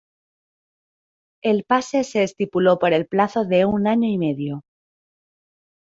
El pase se estipuló por el plazo de un año y medio.